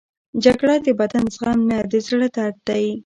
جګړه د بدن زخم نه، د زړه درد دی